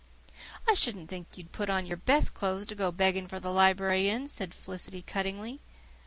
"I shouldn't think you'd put on your best clothes to go begging for the library in," said Felicity cuttingly.